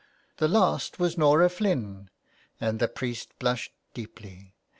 The last was Norah Flynn, and the priest blushed deeply.